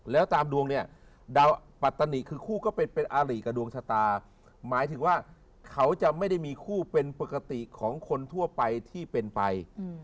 แล้วตามดวงเนี่ยดาวปัตตานิคือคู่ก็เป็นอาริกับดวงชะตาหมายถึงว่าเขาจะไม่ได้มีคู่เป็นปกติของคนทั่วไปที่เป็นไป